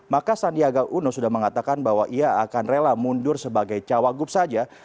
maka sandiaga uno sudah mengatakan bahwa ia akan rela mundur sebagai cawagup saja